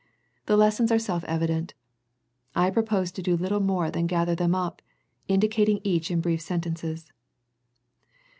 The lessons are self evident. I propose to do little more than gather them up, indicating each in brief sen tences.